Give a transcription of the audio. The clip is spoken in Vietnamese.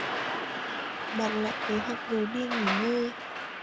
Bàn lại kế hoạch rồi đi nghỉ ngơi